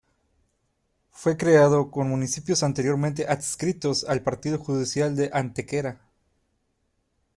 Fue creado con municipios anteriormente adscritos al partido judicial de Antequera.